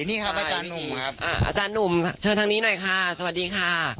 นี่ครับอาจารย์หนุ่มครับอาจารย์หนุ่มเชิญทางนี้หน่อยค่ะสวัสดีค่ะ